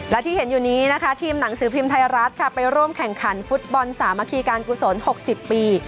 และที่เห็นอยู่นี้นะคะทีมหนังสือพิมพ์ไทยรัฐค่ะไปร่วมแข่งขันฟุตบอลสามัคคีการกุศล๖๐ปี